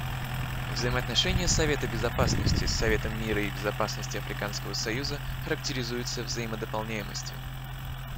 Взаимоотношения Совета Безопасности с Советом мира и безопасности Африканского союза характеризуются взаимодополняемостью.